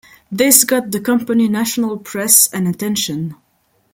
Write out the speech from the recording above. This got the company national press and attention.